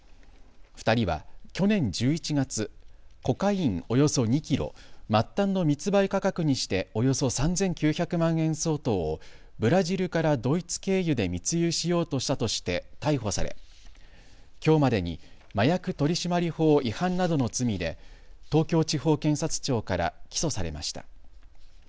２人は去年１１月、コカインおよそ２キロ、末端の密売価格にしておよそ３９００万円相当をブラジルからドイツ経由で密輸しようとしたとして逮捕されきょうまでに麻薬取締法違反などの罪で東京地方検察庁から起訴されました。